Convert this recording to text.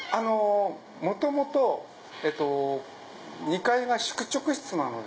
元々２階が宿直室なので。